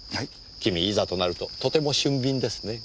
君いざとなるととても俊敏ですね。